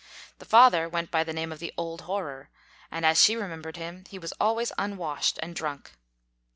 The father went by the name of the "Old Horror," and as she remembered him, he was always unwashed and drunk.